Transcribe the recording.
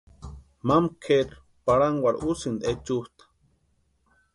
Mama kʼeri parhankwarhu úsïnti echutʼa.